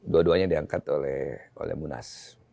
dua duanya diangkat oleh munas